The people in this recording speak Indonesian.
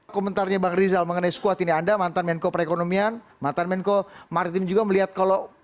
komentarnya bang rizal mengenai squad ini anda mantan menko perekonomian mantan menko maritim juga melihat kalau